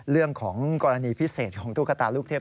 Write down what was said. เรื่องของกรณีพิเศษของตุ๊กตาลูกเทพ